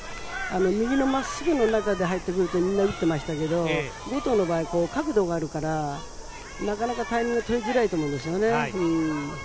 右の真っすぐの中で入ってくると、みんな打っていましたけど後藤の場合は角度があるから、なかなかタイミングを取りづらいと思うんですよね。